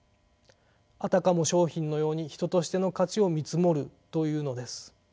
あたかも商品のように人としての価値を見積もるというのです。